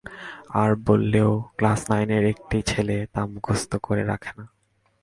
আর বললেও ক্লাস নাইনের একটি ছেলে তা মুখস্থ করে রাখে না।